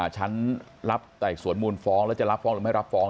ชั้นรับไต่สวนมูลฟ้องแล้วจะรับฟ้องหรือไม่รับฟ้อง